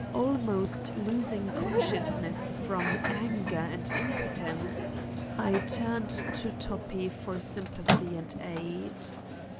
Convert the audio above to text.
Almost losing consciousness from anger and impotence, I turned to Toppi for sym pathy and aid.